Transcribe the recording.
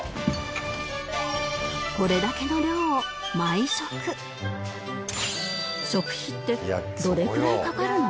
これだけの量を毎食食費ってどれぐらいかかるの？